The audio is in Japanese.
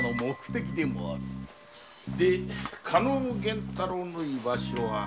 で加納源太郎の居場所は？